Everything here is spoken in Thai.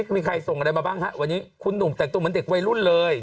มีใครส่งอะไรมาบ้างครับคุณหนุ่มแบบจะมีแต่กตรงปลวกลัวอุ่นใหม่